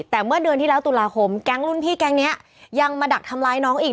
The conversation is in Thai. แต่เมื่อเดือนที่แล้วตุลาคมแก๊งรุ่นพี่แก๊งนี้ยังมาดักทำร้ายน้องอีก